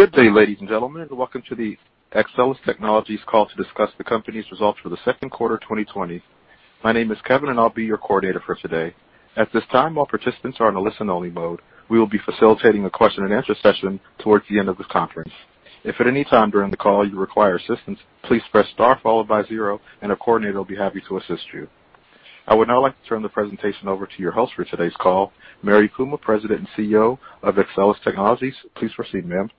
Good day, ladies and gentlemen, and welcome to the Axcelis Technologies call to discuss the company's results for the second quarter 2020. My name is Kevin, and I'll be your coordinator for today. At this time, all participants are in a listen-only mode. We will be facilitating a question and answer session towards the end of this conference. If at any time during the call you require assistance, please press star followed by zero, and a coordinator will be happy to assist you. I would now like to turn the presentation over to your host for today's call, Mary Puma, President and CEO of Axcelis Technologies. Please proceed, ma'am.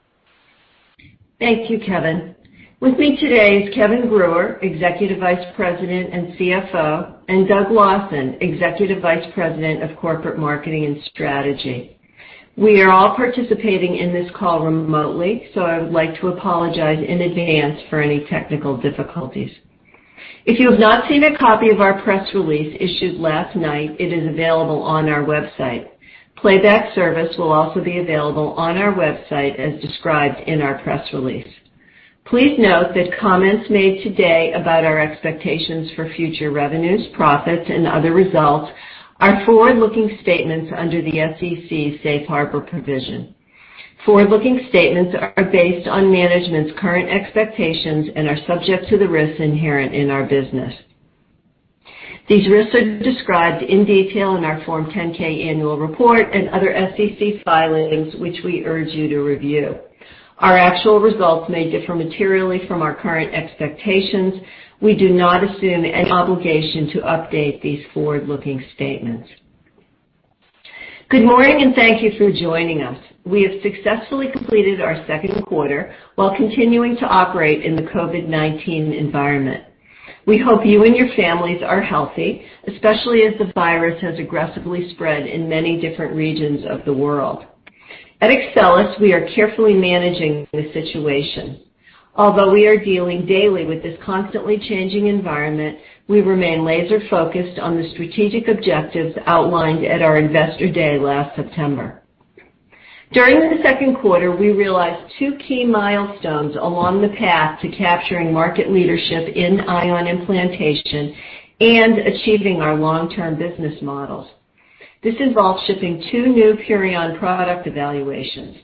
Thank you, Kevin. With me today is Kevin Brewer, Executive Vice President and CFO, and Doug Lawson, Executive Vice President of Corporate Marketing and Strategy. We are all participating in this call remotely, so I would like to apologize in advance for any technical difficulties. If you have not seen a copy of our press release issued last night, it is available on our website. Playback service will also be available on our website as described in our press release. Please note that comments made today about our expectations for future revenues, profits, and other results are forward-looking statements under the SEC Safe Harbor provision. Forward-looking statements are based on management's current expectations and are subject to the risks inherent in our business. These risks are described in detail in our Form 10-K annual report and other SEC filings, which we urge you to review. Our actual results may differ materially from our current expectations. We do not assume any obligation to update these forward-looking statements. Good morning, and thank you for joining us. We have successfully completed our second quarter while continuing to operate in the COVID-19 environment. We hope you and your families are healthy, especially as the virus has aggressively spread in many different regions of the world. At Axcelis, we are carefully managing the situation. Although we are dealing daily with this constantly changing environment, we remain laser-focused on the strategic objectives outlined at our Investor Day last September. During the second quarter, we realized two key milestones along the path to capturing market leadership in ion implantation and achieving our long-term business models. This involves shipping two new Purion product evaluations.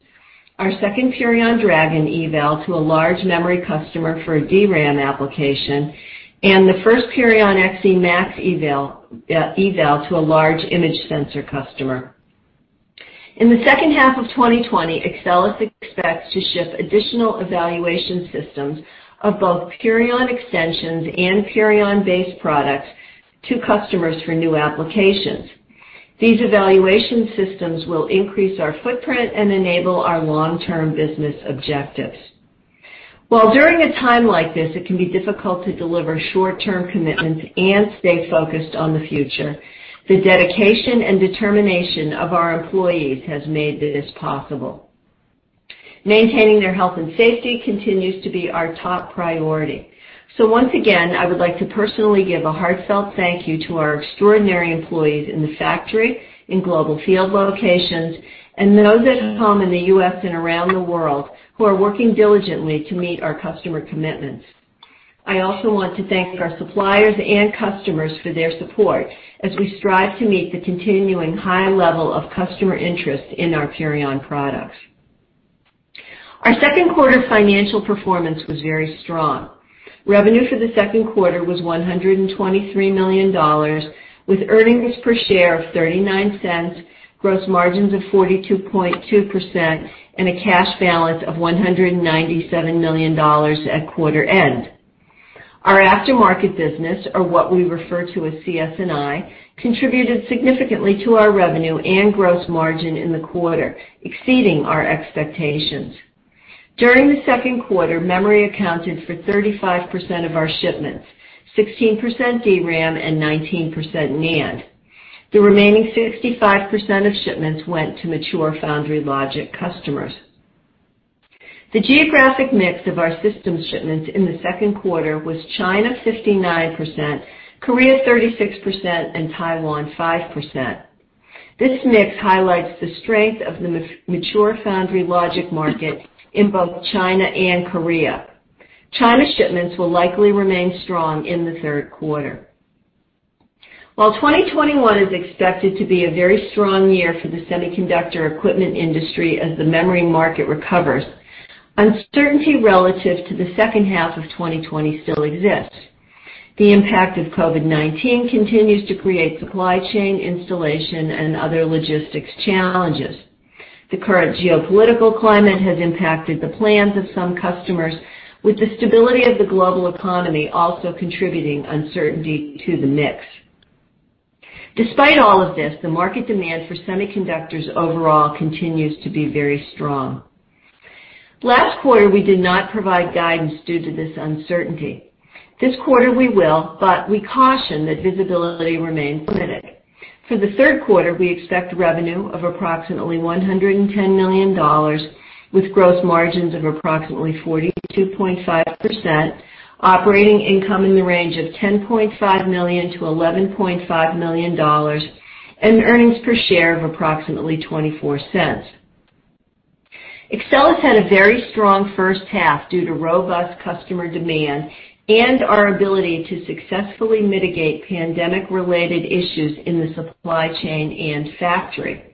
Our second Purion Dragon eval to a large memory customer for a DRAM application, and the first Purion XEmax eval to a large image sensor customer. In the second half of 2020, Axcelis expects to ship additional evaluation systems of both Purion extensions and Purion-based products to customers for new applications. These evaluation systems will increase our footprint and enable our long-term business objectives. While during a time like this, it can be difficult to deliver short-term commitments and stay focused on the future, the dedication and determination of our employees has made this possible. Maintaining their health and safety continues to be our top priority. Once again, I would like to personally give a heartfelt thank you to our extraordinary employees in the factory, in global field locations, and those at home in the U.S. and around the world who are working diligently to meet our customer commitments. I also want to thank our suppliers and customers for their support as we strive to meet the continuing high level of customer interest in our Purion products. Our second quarter financial performance was very strong. Revenue for the second quarter was $123 million, with earnings per share of $0.39, gross margins of 42.2%, and a cash balance of $197 million at quarter end. Our aftermarket business, or what we refer to as CS&I, contributed significantly to our revenue and gross margin in the quarter, exceeding our expectations. During the second quarter, memory accounted for 35% of our shipments, 16% DRAM and 19% NAND. The remaining 65% of shipments went to mature foundry logic customers. The geographic mix of our system shipments in the second quarter was China 59%, Korea 36%, and Taiwan 5%. This mix highlights the strength of the mature foundry logic market in both China and Korea. China shipments will likely remain strong in the third quarter. While 2021 is expected to be a very strong year for the semiconductor equipment industry as the memory market recovers, uncertainty relative to the second half of 2020 still exists. The impact of COVID-19 continues to create supply chain, installation, and other logistics challenges. The current geopolitical climate has impacted the plans of some customers, with the stability of the global economy also contributing uncertainty to the mix. Despite all of this, the market demand for semiconductors overall continues to be very strong. Last quarter, we did not provide guidance due to this uncertainty. This quarter, we will, but we caution that visibility remains limited. For the third quarter, we expect revenue of approximately $110 million, with gross margins of approximately 42.5%, operating income in the range of $10.5 million-$11.5 million, and earnings per share of approximately $0.24. Axcelis had a very strong first half due to robust customer demand and our ability to successfully mitigate pandemic-related issues in the supply chain and factory.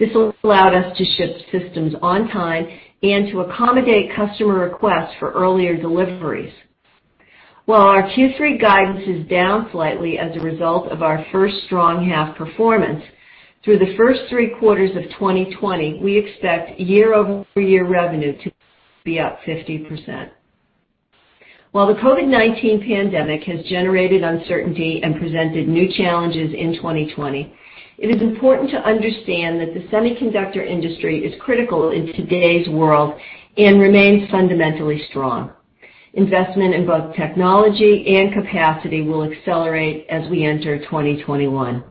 This allowed us to ship systems on time and to accommodate customer requests for earlier deliveries. While our Q3 guidance is down slightly as a result of our first strong half performance, through the first three quarters of 2020, we expect year-over-year revenue to be up 50%. While the COVID-19 pandemic has generated uncertainty and presented new challenges in 2020, it is important to understand that the semiconductor industry is critical in today's world and remains fundamentally strong. Investment in both technology and capacity will accelerate as we enter 2021.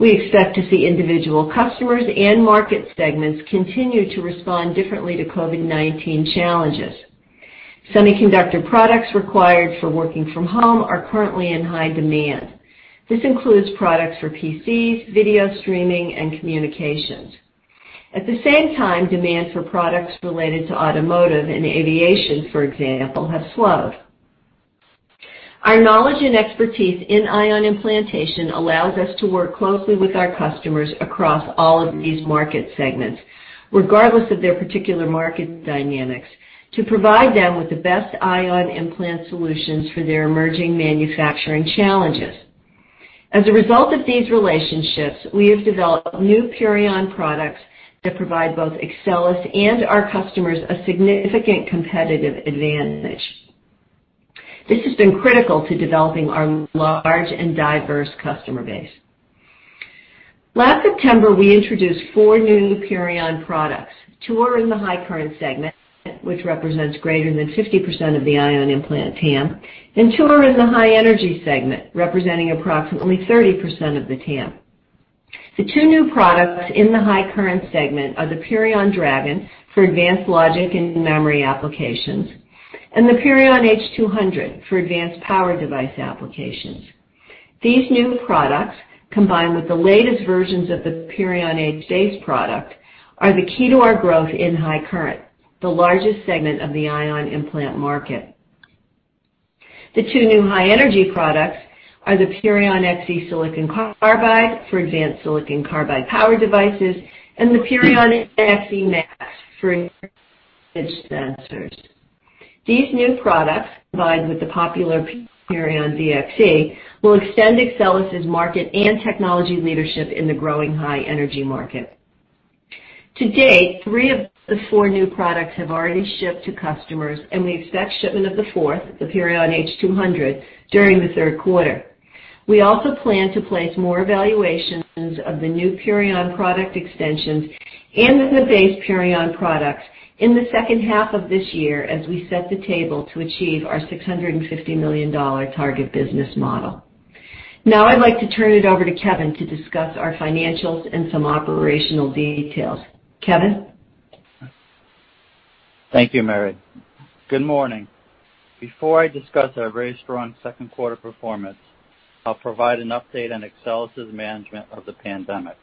We expect to see individual customers and market segments continue to respond differently to COVID-19 challenges. Semiconductor products required for working from home are currently in high demand. This includes products for PCs, video streaming, and communications. At the same time, demand for products related to automotive and aviation, for example, have slowed. Our knowledge and expertise in ion implantation allows us to work closely with our customers across all of these market segments, regardless of their particular market dynamics, to provide them with the best ion implant solutions for their emerging manufacturing challenges. As a result of these relationships, we have developed new Purion products that provide both Axcelis and our customers a significant competitive advantage. This has been critical to developing our large and diverse customer base. Last September, we introduced four new Purion products. Two are in the high current segment, which represents greater than 50% of the ion implant TAM, and two are in the high energy segment, representing approximately 30% of the TAM. The two new products in the high current segment are the Purion Dragon for advanced logic and memory applications, and the Purion H200 for advanced power device applications. These new products, combined with the latest versions of the Purion H base product, are the key to our growth in high current, the largest segment of the ion implant market. The two new high energy products are the Purion XE Power Series for advanced silicon carbide power devices, and the Purion XEmax for sensors. These new products, combined with the popular Purion XE, will extend Axcelis' market and technology leadership in the growing high energy market. To date, three of the four new products have already shipped to customers, and we expect shipment of the fourth, the Purion H200, during the third quarter. We also plan to place more evaluations of the new Purion product extensions and the base Purion products in the second half of this year as we set the table to achieve our $650 million target business model. Now I'd like to turn it over to Kevin to discuss our financials and some operational details. Kevin? Thank you, Mary. Good morning. Before I discuss our very strong second quarter performance, I'll provide an update on Axcelis' management of the pandemic.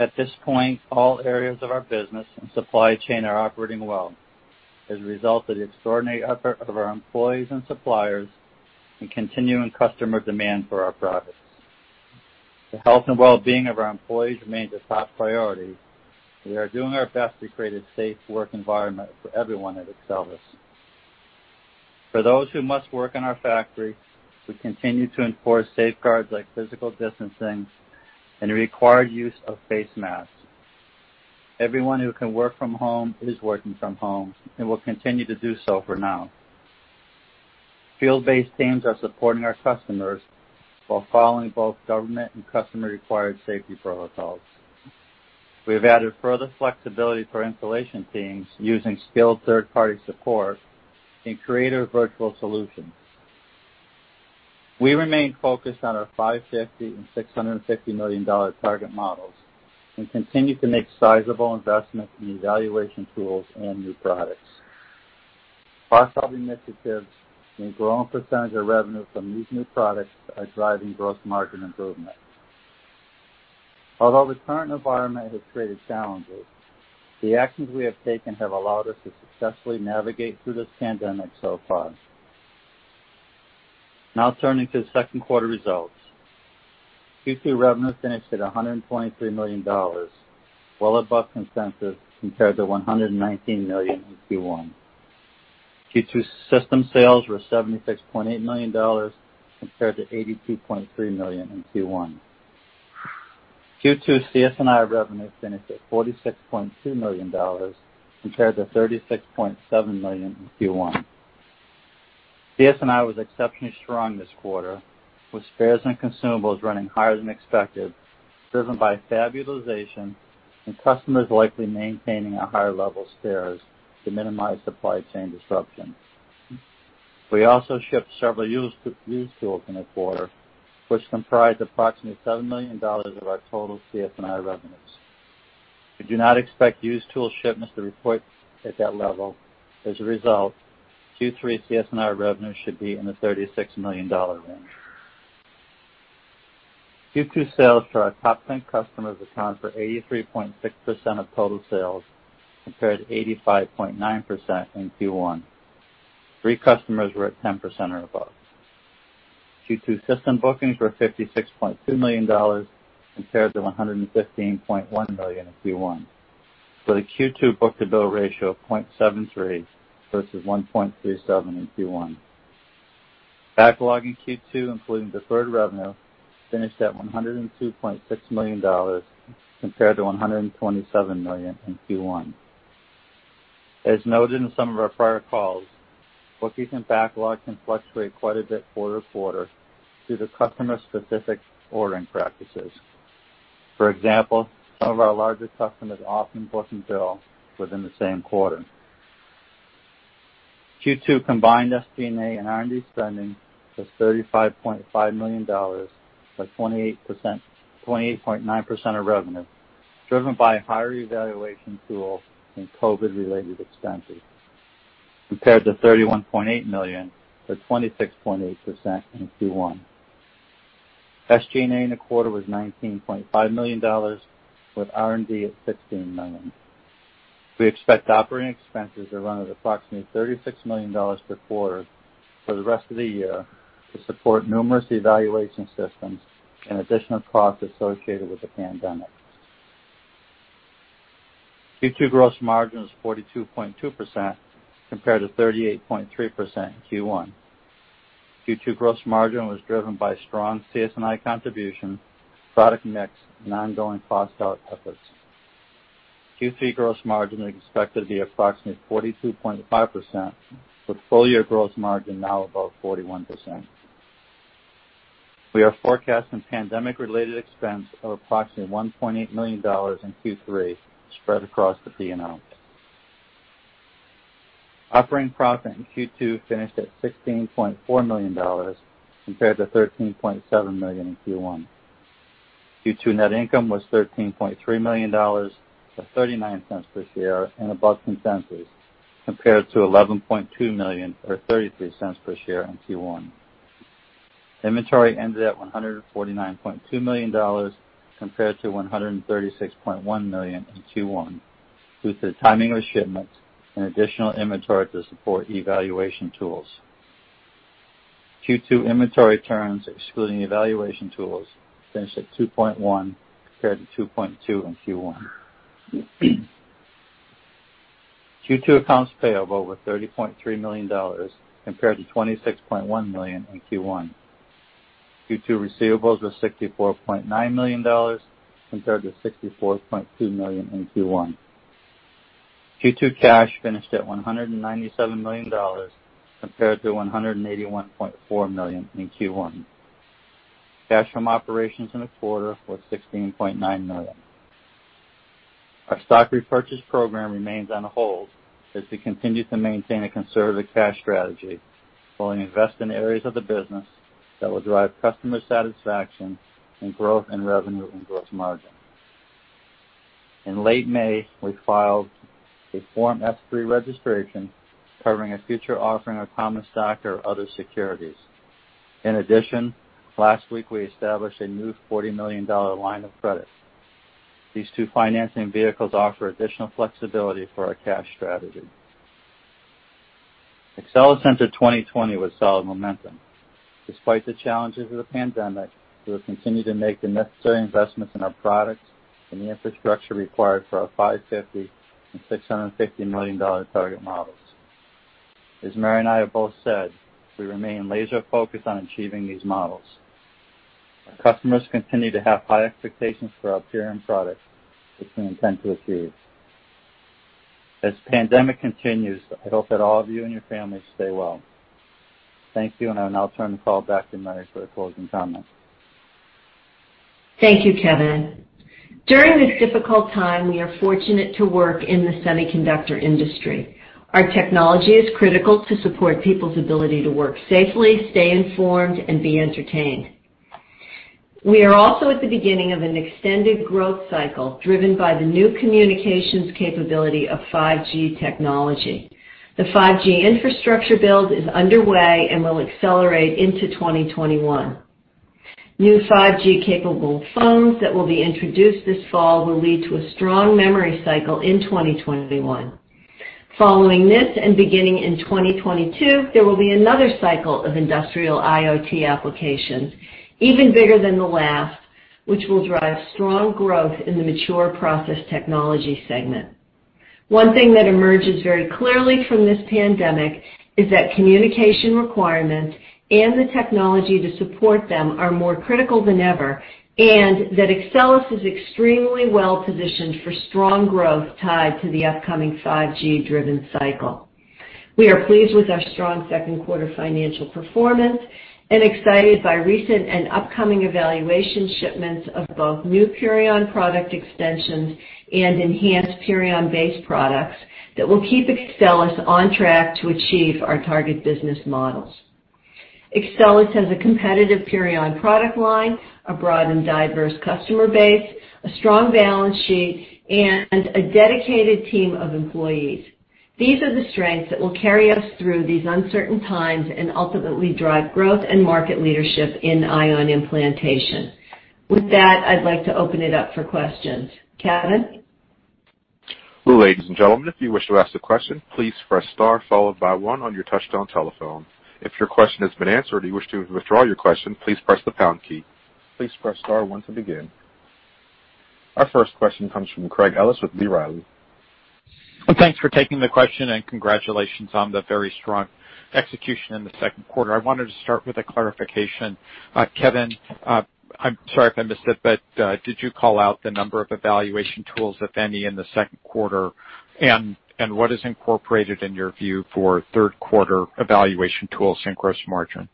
At this point, all areas of our business and supply chain are operating well as a result of the extraordinary effort of our employees and suppliers and continuing customer demand for our products. The health and well-being of our employees remains a top priority. We are doing our best to create a safe work environment for everyone at Axcelis. For those who must work in our factory, we continue to enforce safeguards like physical distancing and the required use of face masks. Everyone who can work from home is working from home and will continue to do so for now. Field-based teams are supporting our customers while following both government and customer-required safety protocols. We have added further flexibility for installation teams using skilled third-party support and accretive virtual solutions. We remain focused on our $550 million and $650 million target models and continue to make sizable investments in evaluation tools and new products. Cost-saving initiatives and a growing percentage of revenue from these new products are driving gross margin improvement. Although the current environment has created challenges, the actions we have taken have allowed us to successfully navigate through this pandemic so far. Now turning to the second quarter results. Q2 revenue finished at $123 million, well above consensus, compared to $119 million in Q1. Q2 system sales were $76.8 million, compared to $82.3 million in Q1. Q2 CS&I revenue finished at $46.2 million, compared to $36.7 million in Q1. CS&I was exceptionally strong this quarter, with spares and consumables running higher than expected, driven by fab utilization and customers likely maintaining a higher level of spares to minimize supply chain disruptions. We also shipped several used tools in the quarter, which comprised approximately $7 million of our total CS&I revenues. We do not expect used tool shipments to report at that level. As a result, Q3 CS&I revenue should be in the $36 million range. Q2 sales to our top 10 customers account for 83.6% of total sales, compared to 85.9% in Q1. Three customers were at 10% or above. Q2 system bookings were $56.2 million compared to $115.1 million in Q1, with a Q2 book-to-bill ratio of 0.73 versus 1.37 in Q1. Backlog in Q2, including deferred revenue, finished at $102.6 million, compared to $127 million in Q1. As noted in some of our prior calls, bookings and backlog can fluctuate quite a bit quarter to quarter due to customer-specific ordering practices. For example, some of our larger customers often book and bill within the same quarter. Q2 combined SG&A and R&D spending was $35.5 million, or 28.9% of revenue, driven by higher evaluation tool and COVID-related expenses, compared to $31.8 million, or 26.8% in Q1. SG&A in the quarter was $19.5 million, with R&D at $16 million. We expect operating expenses to run at approximately $36 million per quarter for the rest of the year to support numerous evaluation systems and additional costs associated with the pandemic. Q2 gross margin was 42.2%, compared to 38.3% in Q1. Q2 gross margin was driven by strong CS&I contribution, product mix, and ongoing cost out efforts. Q3 gross margin is expected to be approximately 42.5%, with full-year gross margin now above 41%. We are forecasting pandemic-related expense of approximately $1.8 million in Q3 spread across the P&L. Operating profit in Q2 finished at $16.4 million compared to $13.7 million in Q1. Q2 net income was $13.3 million, or $0.39 per share and above consensus, compared to $11.2 million or $0.33 per share in Q1. Inventory ended at $149.2 million, compared to $136.1 million in Q1, due to the timing of shipments and additional inventory to support evaluation tools. Q2 inventory turns, excluding evaluation tools, finished at 2.1 compared to 2.2 in Q1. Q2 accounts payable were $30.3 million compared to $26.1 million in Q1. Q2 receivables were $64.9 million compared to $64.2 million in Q1. Q2 cash finished at $197 million compared to $181.4 million in Q1. Cash from operations in the quarter was $16.9 million. Our stock repurchase program remains on hold as we continue to maintain a conservative cash strategy while we invest in areas of the business that will drive customer satisfaction and growth in revenue and gross margin. In late May, we filed a Form S-3 registration covering a future offering of common stock or other securities. Last week we established a new $40 million line of credit. These two financing vehicles offer additional flexibility for our cash strategy. Axcelis entered 2020 with solid momentum. Despite the challenges of the pandemic, we have continued to make the necessary investments in our products and the infrastructure required for our $550 million and $650 million target models. As Mary and I have both said, we remain laser focused on achieving these models. Our customers continue to have high expectations for our Purion products, which we intend to achieve. As the pandemic continues, I hope that all of you and your families stay well. Thank you. I'll now turn the call back to Mary for the closing comments. Thank you, Kevin. During this difficult time, we are fortunate to work in the semiconductor industry. Our technology is critical to support people's ability to work safely, stay informed, and be entertained. We are also at the beginning of an extended growth cycle driven by the new communications capability of 5G technology. The 5G infrastructure build is underway and will accelerate into 2021. New 5G-capable phones that will be introduced this fall will lead to a strong memory cycle in 2021. Following this, and beginning in 2022, there will be another cycle of industrial IoT applications, even bigger than the last, which will drive strong growth in the mature process technology segment. One thing that emerges very clearly from this pandemic is that communication requirements and the technology to support them are more critical than ever, and that Axcelis is extremely well-positioned for strong growth tied to the upcoming 5G-driven cycle. We are pleased with our strong second quarter financial performance and excited by recent and upcoming evaluation shipments of both new Purion product extensions and enhanced Purion-based products that will keep Axcelis on track to achieve our target business models. Axcelis has a competitive Purion product line, a broad and diverse customer base, a strong balance sheet, and a dedicated team of employees. These are the strengths that will carry us through these uncertain times and ultimately drive growth and market leadership in ion implantation. With that, I'd like to open it up for questions. Kevin? Ladies and gentlemen, if you wish to ask a question, please press star followed by one on your touchtone telephone. If your question has been answered or you wish to withdraw your question, please press the pound key. Please press star one to begin. Our first question comes from Craig Ellis with B. Riley. Thanks for taking the question, and congratulations on the very strong execution in the second quarter. I wanted to start with a clarification. Kevin, I'm sorry if I missed it, but did you call out the number of evaluation tools, if any, in the second quarter? What is incorporated in your view for third quarter evaluation tools in gross margin?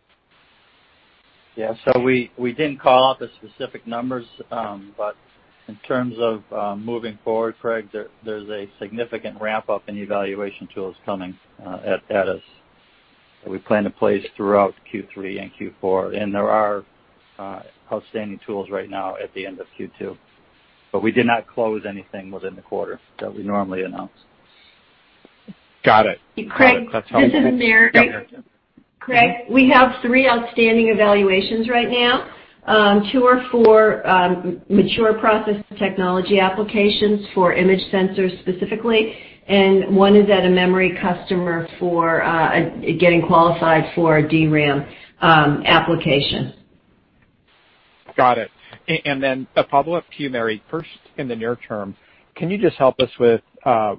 Yeah. We didn't call out the specific numbers, but in terms of moving forward, Craig, there's a significant ramp-up in evaluation tools coming at us that we plan to place throughout Q3 and Q4, and there are outstanding tools right now at the end of Q2. We did not close anything within the quarter that we normally announce. Got it. Craig, this is Mary. Yep. Craig, we have three outstanding evaluations right now. Two are for mature process technology applications for image sensors specifically, and one is at a memory customer for getting qualified for a DRAM application. Got it. A follow-up to you, Mary. First, in the near term, can you just help us with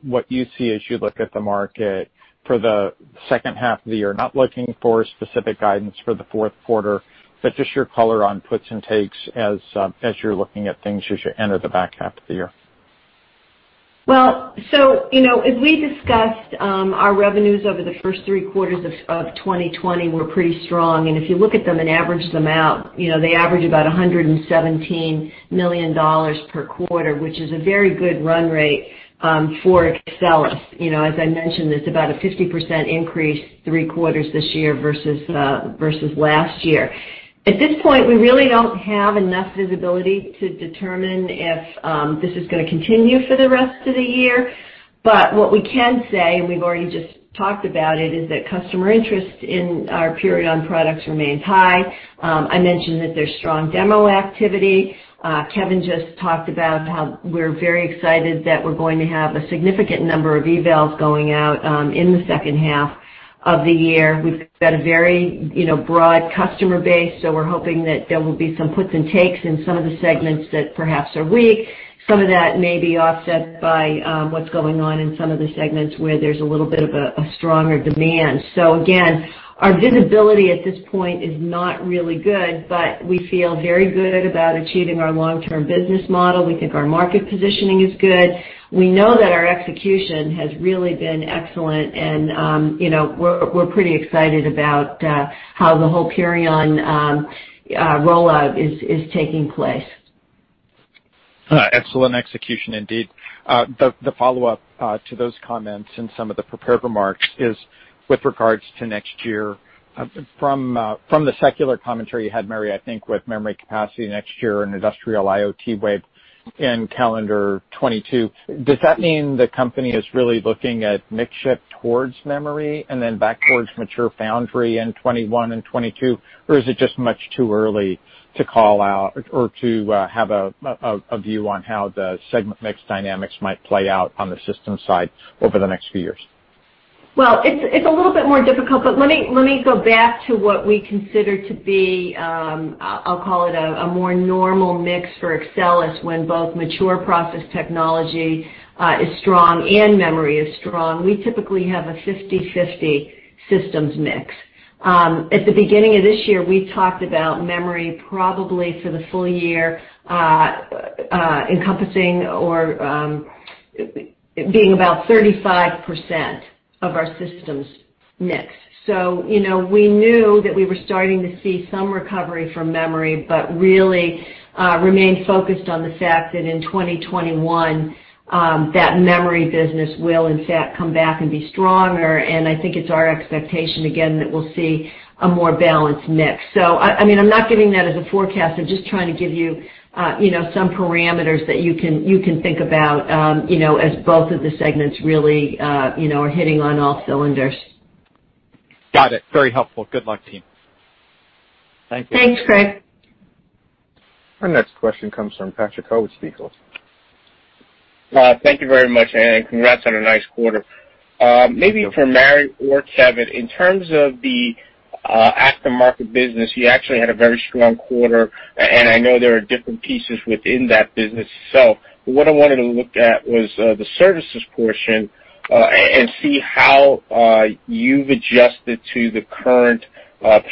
what you see as you look at the market for the second half of the year? Not looking for specific guidance for the fourth quarter, but just your color on puts and takes as you're looking at things as you enter the back half of the year. As we discussed, our revenues over the first three quarters of 2020 were pretty strong. If you look at them and average them out, they average about $117 million per quarter, which is a very good run rate for Axcelis. As I mentioned, it's about a 50% increase three quarters this year versus last year. At this point, we really don't have enough visibility to determine if this is going to continue for the rest of the year. What we can say, and we've already just talked about it, is that customer interest in our Purion products remains high. I mentioned that there's strong demo activity. Kevin just talked about how we're very excited that we're going to have a significant number of evals going out in the second half of the year. We've got a very broad customer base. We're hoping that there will be some puts and takes in some of the segments that perhaps are weak. Some of that may be offset by what's going on in some of the segments where there's a little bit of a stronger demand. Again, our visibility at this point is not really good, but we feel very good about achieving our long-term business model. We think our market positioning is good. We know that our execution has really been excellent, and we're pretty excited about how the whole Purion rollout is taking place. Excellent execution, indeed. The follow-up to those comments in some of the prepared remarks is with regards to next year. From the secular commentary you had, Mary, I think with memory capacity next year and industrial IoT wave in calendar 2022, does that mean the company is really looking at mix shift towards memory and then back towards mature foundry in 2021 and 2022? Is it just much too early to call out or to have a view on how the segment mix dynamics might play out on the systems side over the next few years? It's a little bit more difficult, but let me go back to what we consider to be, I'll call it a more normal mix for Axcelis when both mature process technology is strong and memory is strong. At the beginning of this year, we talked about memory probably for the full year encompassing or being about 35% of our systems mix. We knew that we were starting to see some recovery from memory, but really remained focused on the fact that in 2021, that memory business will in fact, come back and be stronger, and I think it's our expectation again, that we'll see a more balanced mix. I'm not giving that as a forecast. I'm just trying to give you some parameters that you can think about as both of the segments really are hitting on all cylinders. Got it. Very helpful. Good luck, team. Thank you. Thanks, Craig. Our next question comes from Patrick Ho with Stifel. Thank you very much, congrats on a nice quarter. Maybe for Mary or Kevin, in terms of the aftermarket business, you actually had a very strong quarter. I know there are different pieces within that business. What I wanted to look at was the services portion, see how you've adjusted to the current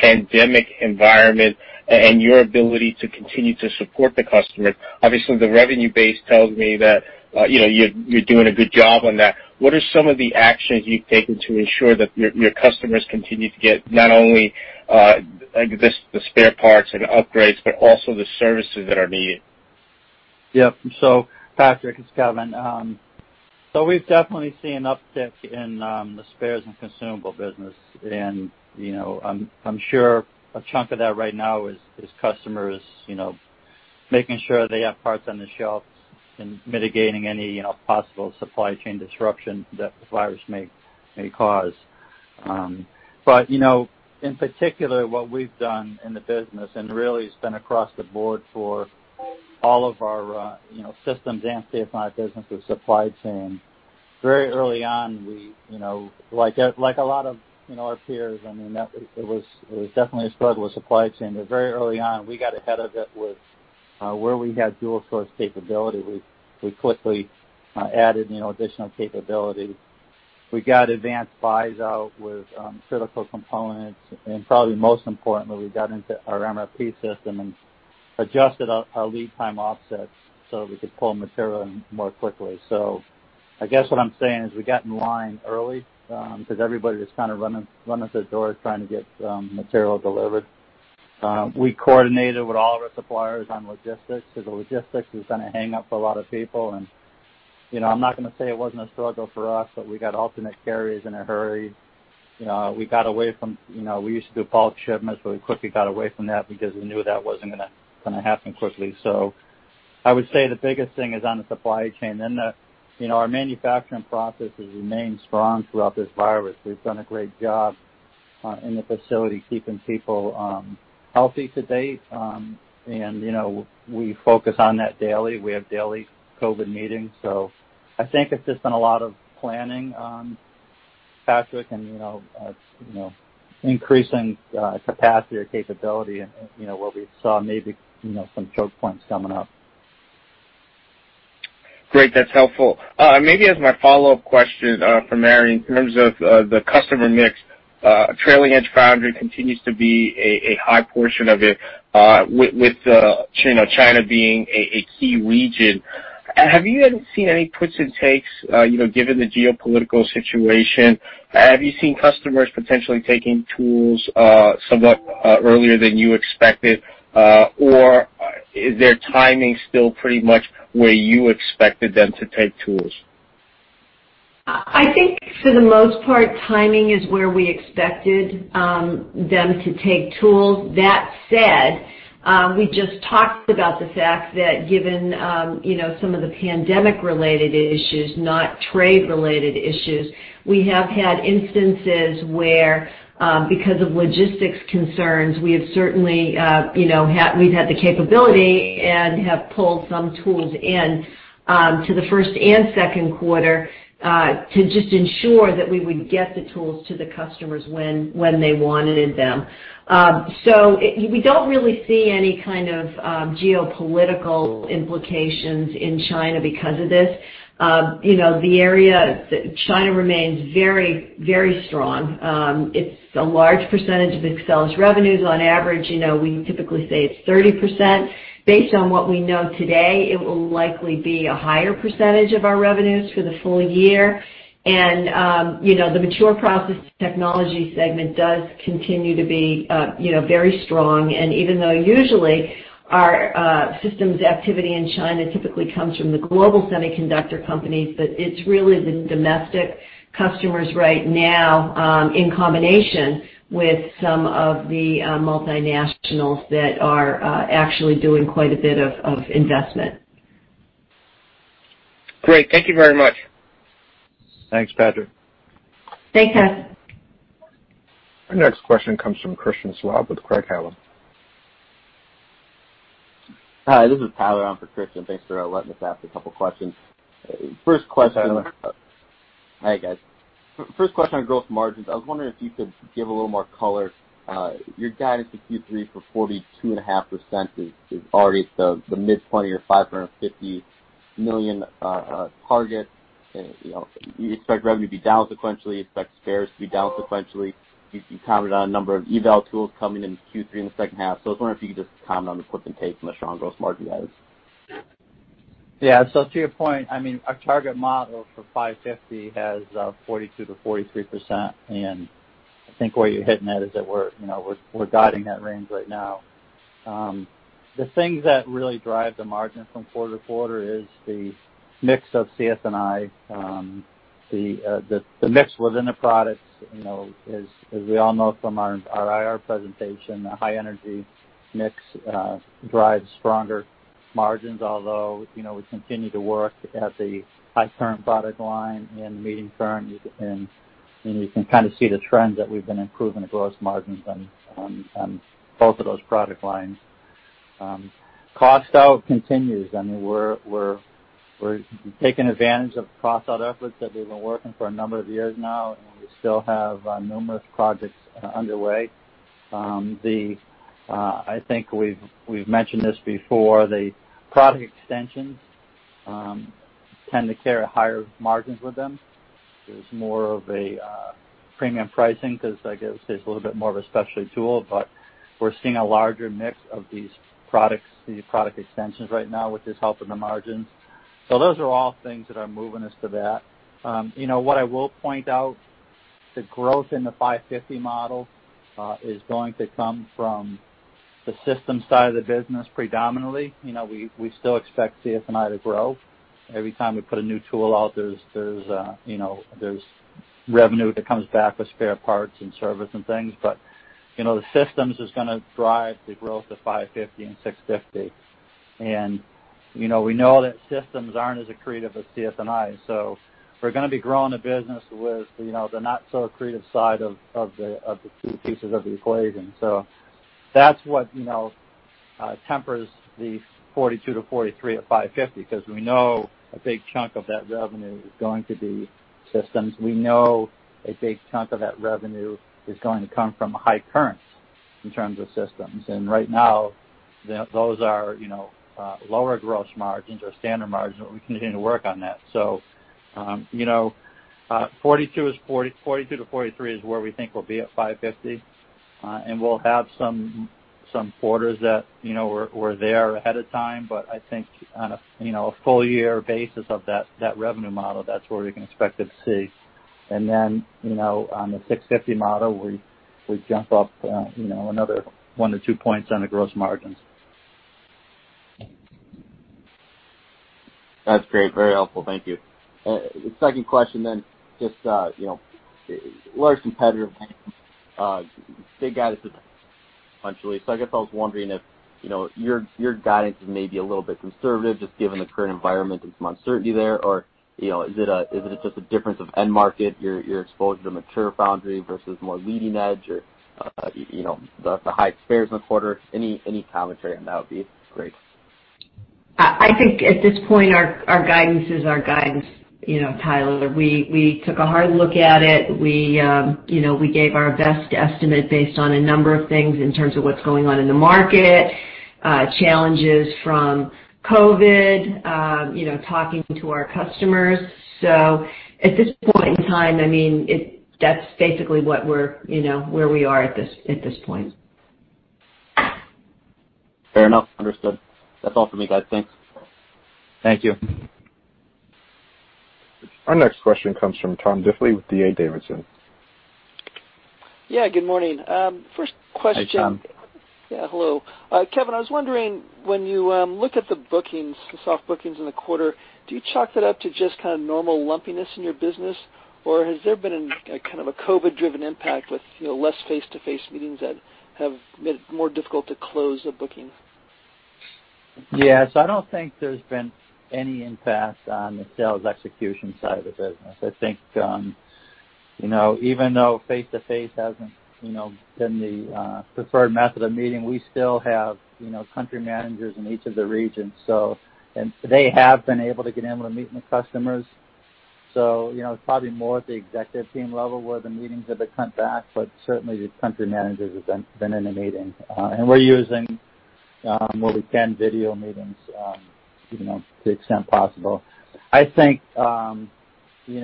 pandemic environment, your ability to continue to support the customers. Obviously, the revenue base tells me that you're doing a good job on that. What are some of the actions you've taken to ensure that your customers continue to get not only the spare parts and upgrades, but also the services that are needed? Yeah. Patrick, it's Kevin. We've definitely seen an uptick in the spares and consumable business, and I'm sure a chunk of that right now is customers making sure they have parts on the shelves and mitigating any possible supply chain disruption that the virus may cause. In particular, what we've done in the business, and really it's been across the board for all of our systems and CS&I business with supply chain. Very early on, like a lot of our peers, it was definitely a struggle with supply chain, but very early on, we got ahead of it with where we had dual-source capability, we quickly added additional capability. We got advanced buys out with critical components, and probably most importantly, we got into our MRP system and adjusted our lead time offsets so that we could pull material in more quickly. I guess what I'm saying is, we got in line early, because everybody was kind of running at the door trying to get material delivered. We coordinated with all of our suppliers on logistics, because logistics was kind of a hang-up for a lot of people, and I'm not going to say it wasn't a struggle for us, but we got alternate carriers in a hurry. We used to do bulk shipments, but we quickly got away from that because we knew that wasn't going to happen quickly. I would say the biggest thing is on the supply chain. Our manufacturing processes remained strong throughout this virus. We've done a great job in the facility keeping people healthy to date, and we focus on that daily. We have daily COVID-19 meetings. I think it's just been a lot of planning, Patrick, and increasing capacity or capability where we saw maybe some choke points coming up. Great. That's helpful. Maybe as my follow-up question for Mary, in terms of the customer mix, trailing edge foundry continues to be a high portion of it, with China being a key region. Have you seen any twists and takes, given the geopolitical situation? Have you seen customers potentially taking tools somewhat earlier than you expected, or is their timing still pretty much where you expected them to take tools? I think for the most part, timing is where we expected them to take tools. That said, we just talked about the fact that given some of the pandemic-related issues, not trade-related issues, we have had instances where, because of logistics concerns, we've had the capability and have pulled some tools in to the first and second quarter, to just ensure that we would get the tools to the customers when they wanted them. We don't really see any kind of geopolitical implications in China because of this. China remains very strong. It's a large percentage of Axcelis revenues. On average, we typically say it's 30%. Based on what we know today, it will likely be a higher percentage of our revenues for the full year. The mature process technology segment does continue to be very strong, and even though usually our systems activity in China typically comes from the global semiconductor companies, but it's really the domestic customers right now, in combination with some of the multinationals that are actually doing quite a bit of investment. Great. Thank you very much. Thanks, Patrick. Thanks, Patrick. Our next question comes from Christian Schwab with Craig-Hallum. Hi, this is Tyler. I'm for Christian. Thanks for letting us ask a couple of questions. Hi, Tyler. Hi, guys. First question on gross margins. I was wondering if you could give a little more color. Your guidance for Q3 for 42.5% is already the mid-point of your $550 million target. You expect revenue to be down sequentially, you expect spares to be down sequentially. You commented on a number of eval tools coming in Q3 in the second half. I was wondering if you could just comment on the flip and take on the strong gross margin guidance. To your point, our target model for 550 has 42%-43%, and I think where you're hitting at is that we're guiding that range right now. The things that really drive the margin from quarter to quarter is the mix of CS&I. The mix within the products, as we all know from our IR presentation, the high energy mix drives stronger margins. We continue to work at the high current product line and the medium current. You can kind of see the trend that we've been improving the gross margins on both of those product lines. Cost out continues. We're taking advantage of cost out efforts that we've been working for a number of years now. We still have numerous projects underway. I think we've mentioned this before, the product extensions tend to carry higher margins with them. There's more of a premium pricing because I guess it's a little bit more of a specialty tool. We're seeing a larger mix of these product extensions right now, which is helping the margins. Those are all things that are moving us to that. What I will point out, the growth in the 550 model is going to come from the systems side of the business predominantly. We still expect CS&I to grow. Every time we put a new tool out, there's revenue that comes back with spare parts and service and things. The systems is going to drive the growth to 550 and 650. We know that systems aren't as accretive as CS&I. We're going to be growing a business with the not so accretive side of the two pieces of the equation. That's what tempers the 42%-43% at $550 million, because we know a big chunk of that revenue is going to be systems. We know a big chunk of that revenue is going to come from high current in terms of systems. Right now, those are lower gross margins or standard margin, but we continue to work on that. 42%-43% is where we think we'll be at $550 million, and we'll have some quarters that we're there ahead of time, but I think on a full year basis of that revenue model, that's where you can expect to see. Then, on the $650 million model, we jump up another one to two points on the gross margins. That's great. Very helpful. Thank you. Second question then, just larger competitor guidance eventually. I guess I was wondering if your guidance is maybe a little bit conservative, just given the current environment and some uncertainty there, or is it just a difference of end market, your exposure to mature foundry versus more leading edge or the high spares in the quarter? Any commentary on that would be great. I think at this point, our guidance is our guidance, Tyler. We took a hard look at it. We gave our best estimate based on a number of things in terms of what's going on in the market, challenges from COVID, talking to our customers. At this point in time, that's basically where we are at this point. Fair enough. Understood. That's all for me, guys. Thanks. Thank you. Our next question comes from Tom Diffely with D.A. Davidson. Yeah, good morning. First question. Hi, Tom. Yeah, hello. Kevin, I was wondering, when you look at the bookings, the soft bookings in the quarter, do you chalk that up to just kind of normal lumpiness in your business, or has there been a kind of a COVID-driven impact with less face-to-face meetings that have made it more difficult to close a booking? Yes, I don't think there's been any impact on the sales execution side of the business. I think, even though face-to-face hasn't been the preferred method of meeting, we still have country managers in each of the regions, and they have been able to get in with meeting the customers. It's probably more at the executive team level where the meetings have been cut back, but certainly the country managers have been in a meeting. We're using, where we can, video meetings to the extent possible. I think you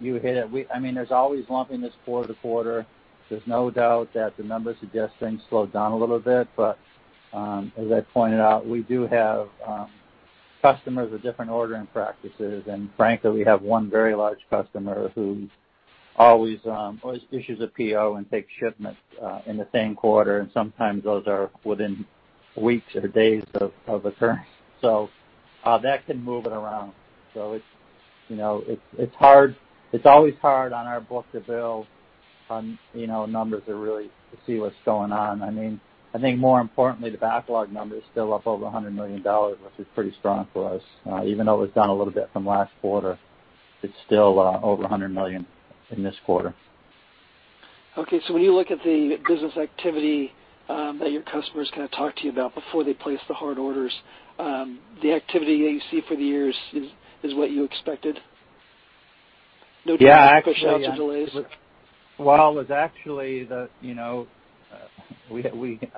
hit it. There's always lumpiness quarter to quarter. There's no doubt that the numbers suggest things slowed down a little bit, but, as I pointed out, we do have customers with different ordering practices. Frankly, we have one very large customer who always issues a PO and takes shipment in the same quarter, and sometimes those are within weeks or days of occurring. That can move it around. It's always hard on our book-to-bill numbers to really see what's going on. I think more importantly, the backlog number is still up over $100 million, which is pretty strong for us. Even though it was down a little bit from last quarter, it's still over $100 million in this quarter. When you look at the business activity that your customers kind of talk to you about before they place the hard orders, the activity that you see for the years is what you expected? Yeah. No time pushouts or delays? Well,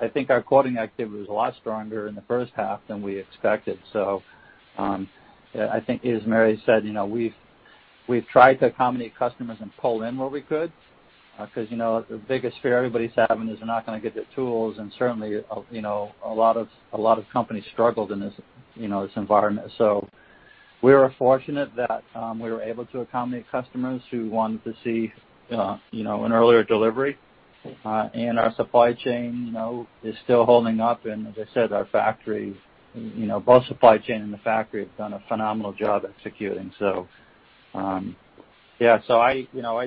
I think our quoting activity was a lot stronger in the first half than we expected. I think as Mary said, we've tried to accommodate customers and pull in where we could, because the biggest fear everybody's having is they're not going to get their tools, and certainly a lot of companies struggled in this environment. We were fortunate that we were able to accommodate customers who wanted to see an earlier delivery. Our supply chain is still holding up, and as I said, both supply chain and the factory have done a phenomenal job executing. I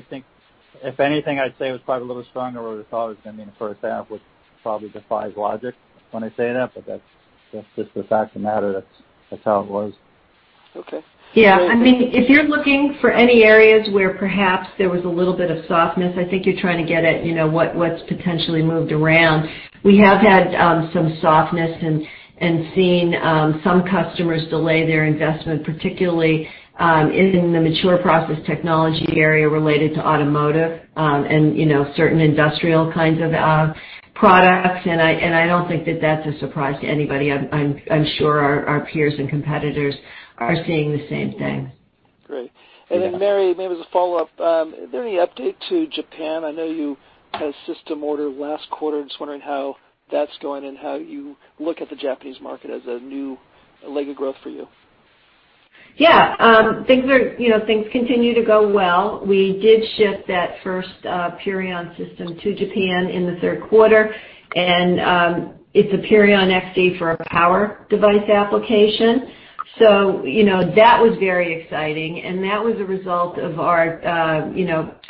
think if anything, I'd say it was probably a little stronger where the thought was going to be in the first half, which probably defies logic when I say that, but that's just the fact of the matter. That's how it was. Okay. Yeah. If you're looking for any areas where perhaps there was a little bit of softness, I think you're trying to get at what's potentially moved around. We have had some softness and seen some customers delay their investment, particularly in the mature process technology area related to automotive, and certain industrial kinds of products. I don't think that that's a surprise to anybody. I'm sure our peers and competitors are seeing the same thing. Great. Mary, maybe as a follow-up, is there any update to Japan? I know you had a system order last quarter. Just wondering how that's going and how you look at the Japanese market as a new leg of growth for you. Yeah. Things continue to go well. We did ship that first Purion system to Japan in the third quarter, and it's a Purion XE for a power device application. That was very exciting, and that was a result of our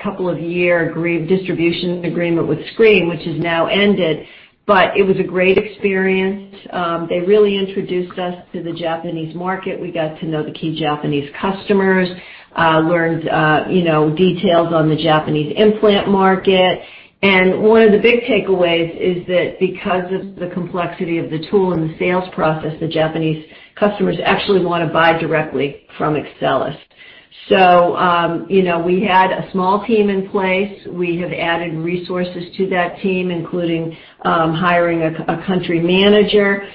couple of year distribution agreement with SCREEN, which has now ended. It was a great experience. They really introduced us to the Japanese market. We got to know the key Japanese customers, learned details on the Japanese implant market. One of the big takeaways is that because of the complexity of the tool and the sales process, the Japanese customers actually want to buy directly from Axcelis. We had a small team in place. We have added resources to that team, including hiring a country manager.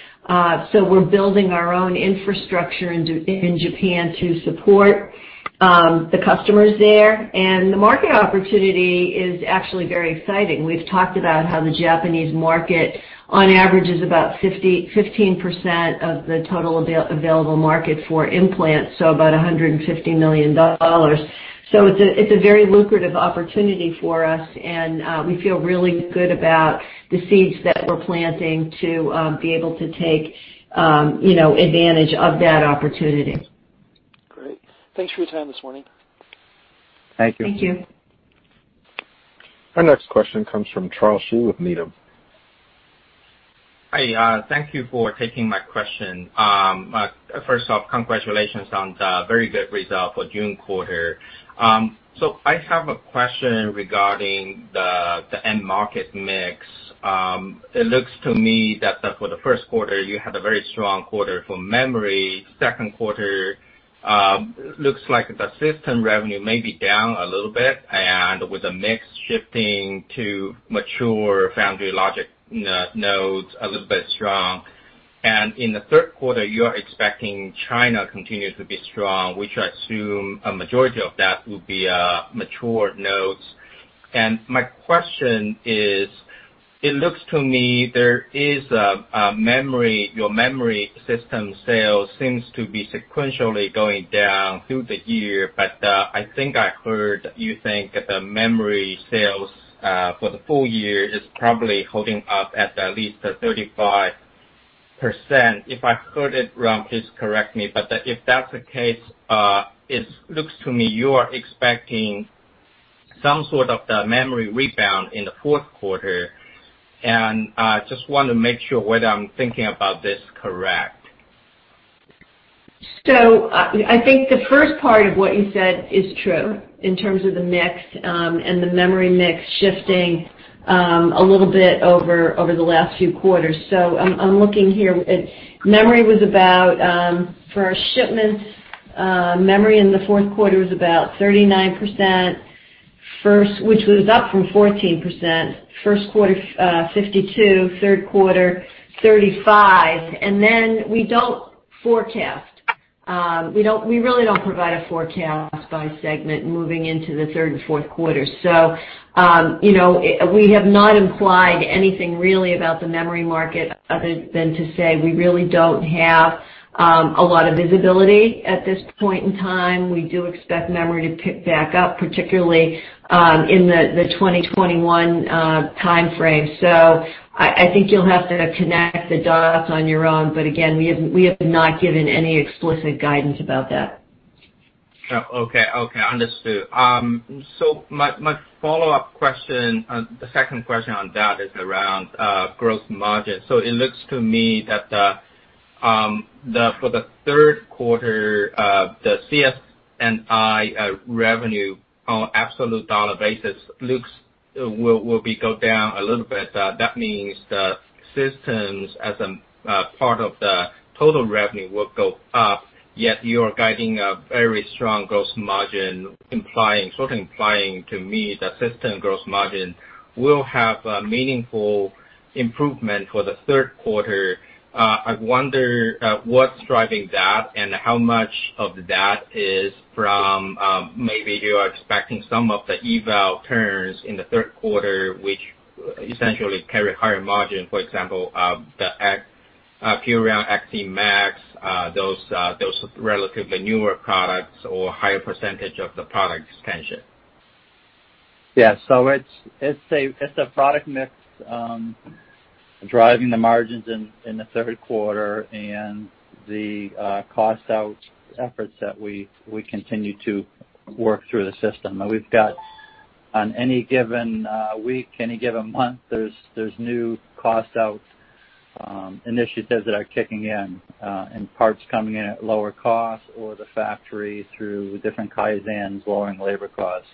We're building our own infrastructure in Japan to support the customers there, and the market opportunity is actually very exciting. We've talked about how the Japanese market, on average, is about 15% of the total available market for implants, so about $150 million. It's a very lucrative opportunity for us, and we feel really good about the seeds that we're planting to be able to take advantage of that opportunity. Great. Thanks for your time this morning. Thank you. Thank you. Our next question comes from Charles Shi with Needham. Hi. Thank you for taking my question. First off, congratulations on the very good result for June quarter. I have a question regarding the end market mix. It looks to me that for the first quarter, you had a very strong quarter for memory. Second quarter, looks like the system revenue may be down a little bit, and with the mix shifting to mature foundry logic nodes a little bit strong. In the third quarter, you are expecting China continue to be strong, which I assume a majority of that will be mature nodes. My question is, it looks to me, your memory system sales seems to be sequentially going down through the year. I think I heard you think that the memory sales for the full year is probably holding up at least 35%. If I heard it wrong, please correct me. If that's the case, it looks to me you are expecting some sort of the memory rebound in the fourth quarter, and I just want to make sure whether I'm thinking about this correct. I think the first part of what you said is true in terms of the mix, and the memory mix shifting a little bit over the last few quarters. I'm looking here. For our shipments, memory in the fourth quarter was about 39%, which was up from 14%, first quarter, 52%, third quarter, 35%. We don't forecast. We really don't provide a forecast by segment moving into the third and fourth quarter. We have not implied anything really about the memory market other than to say we really don't have a lot of visibility at this point in time. We do expect memory to pick back up, particularly in the 2021 timeframe. I think you'll have to connect the dots on your own, but again, we have not given any explicit guidance about that. Oh, okay. Understood. My follow-up question, the second question on that is around gross margin. It looks to me that for the third quarter, the CS&I revenue on absolute dollar basis will go down a little bit. That means the systems as a part of the total revenue will go up, yet you are guiding a very strong gross margin, sort of implying to me that system gross margin will have a meaningful improvement for the third quarter. I wonder what's driving that and how much of that is from maybe you are expecting some of the eval turns in the third quarter, which essentially carry higher margin, for example, the Purion XEmax, those relatively newer products, or higher percentage of the product expansion. It's a product mix driving the margins in the third quarter and the cost-out efforts that we continue to work through the system. On any given week, any given month, there's new cost-out initiatives that are kicking in, and parts coming in at lower cost or the factory through different Kaizen lowering labor costs.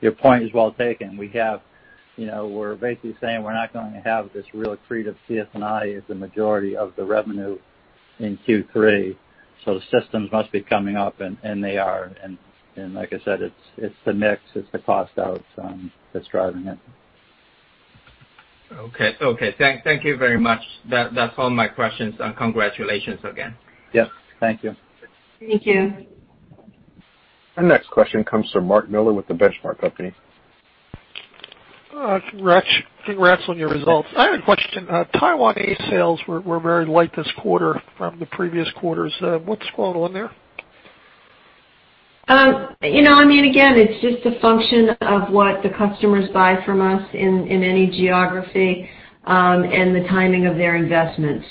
Your point is well taken. We're basically saying we're not going to have this really creative CS&I as the majority of the revenue in Q3. Systems must be coming up, and they are. Like I said, it's the mix, it's the cost out that's driving it. Okay. Thank you very much. That's all my questions, and congratulations again. Yes. Thank you. Thank you. Our next question comes from Mark Miller with The Benchmark Company. Congrats on your results. I had a question. Taiwan sales were very light this quarter from the previous quarters. What's going on there? Again, it's just a function of what the customers buy from us in any geography and the timing of their investment.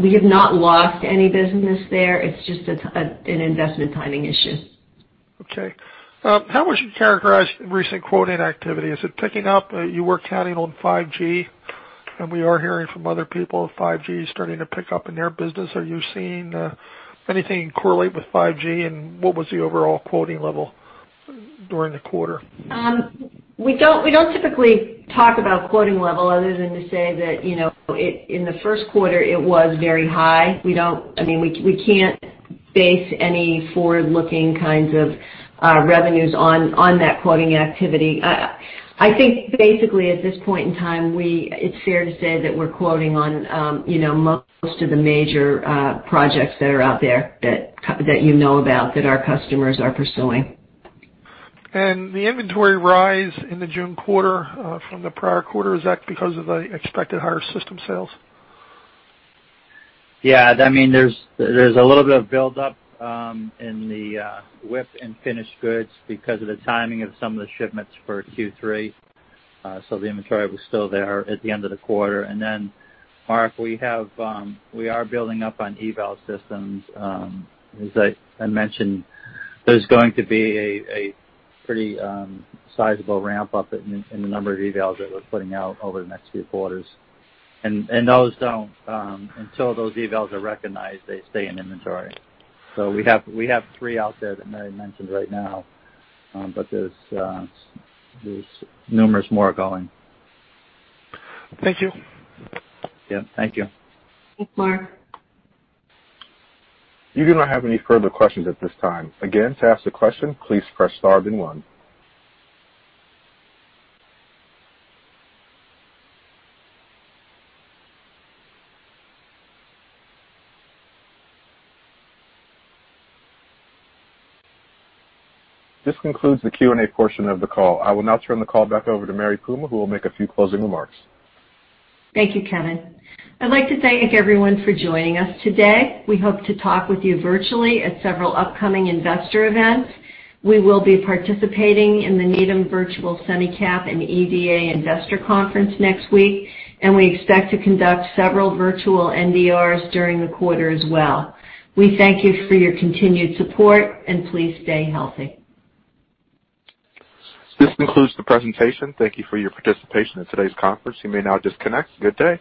We have not lost any business there, it's just an investment timing issue. Okay. How would you characterize recent quoting activity? Is it picking up? You were counting on 5G, and we are hearing from other people, 5G is starting to pick up in their business. Are you seeing anything correlate with 5G? What was the overall quoting level during the quarter? We don't typically talk about quoting level other than to say that in the first quarter it was very high. We can't base any forward-looking kinds of revenues on that quoting activity. I think basically at this point in time, it's fair to say that we're quoting on most of the major projects that are out there that you know about, that our customers are pursuing. The inventory rise in the June quarter from the prior quarter, is that because of the expected higher system sales? Yeah. There's a little bit of buildup in the WIP and finished goods because of the timing of some of the shipments for Q3. Mark, we are building up on eval systems. As I mentioned, there's going to be a pretty sizable ramp-up in the number of evals that we're putting out over the next few quarters. Until those evals are recognized, they stay in inventory. We have three out there that Mary mentioned right now, but there's numerous more going. Thank you. Yeah, thank you. Thanks, Mark. You do not have any further questions at this time. Again, to ask a question, please press star then one. This concludes the Q&A portion of the call. I will now turn the call back over to Mary Puma, who will make a few closing remarks. Thank you, Kevin. I'd like to thank everyone for joining us today. We hope to talk with you virtually at several upcoming investor events. We will be participating in the Needham Virtual SemiCap and EDA Conference next week, and we expect to conduct several virtual NDRs during the quarter as well. We thank you for your continued support, and please stay healthy. This concludes the presentation. Thank you for your participation in today's conference. You may now disconnect. Good day.